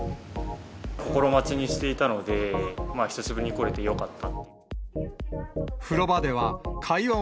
心待ちにしていたので、久しぶりに来れてよかった。